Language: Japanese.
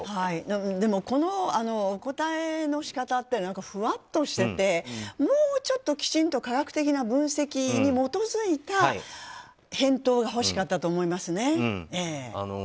この答えの仕方ってふわっとしていてもうちょっときちんと科学的な分析に基づいた返答が欲しかったと思います。